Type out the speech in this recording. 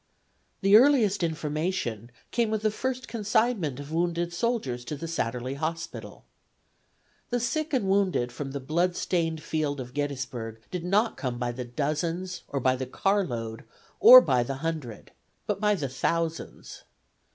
The earliest information came with the first consignment of wounded soldiers to the Satterlee Hospital. The sick and wounded from the blood stained field of Gettysburg did not come by the dozen or by the car load or by the hundred, but by the thousands.